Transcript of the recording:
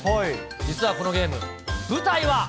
実はこのゲーム、舞台は。